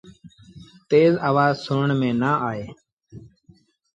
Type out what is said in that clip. تيز آوآز سُڻڻ ميݩ نا آئي۔